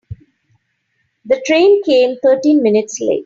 The train came thirteen minutes late.